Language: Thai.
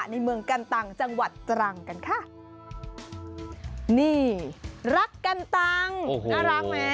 นี่รักกันตังน่ารักไหม